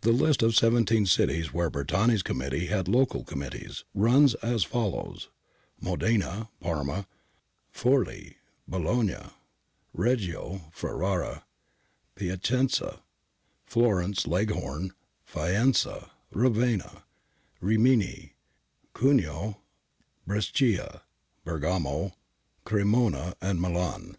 The list of seventeen cities where Bertani's Committee had local Committees {Milan MSS. A. B. Plico, Ixxxix) runs as follows : Modena, Parma, Forli, Bologna, Reggio, Ferrara, Piacenza, Florence, Leghorn, Faenza, Ravenna, Rimini, Cuneo, Brescia, Bergamo, Cremona, Milan.